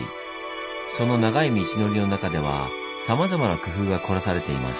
その長い道のりの中ではさまざまな工夫が凝らされています。